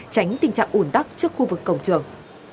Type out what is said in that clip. tránh tình trạng ổn đắc trước khu vực cổng trường